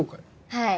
はい。